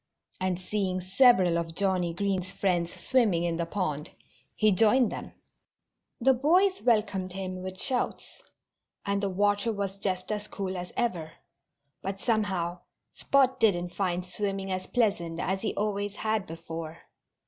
And seeing several of Johnnie Green's friends swimming in the pond, he joined them. The boys welcomed him with shouts. And the water was just as cool as ever. But somehow Spot didn't find swimming as pleasant as he always had before.